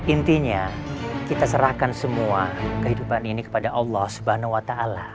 intinya kita serahkan semua kehidupan ini kepada allah swt